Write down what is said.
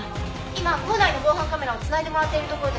今構内の防犯カメラを繋いでもらっているところです。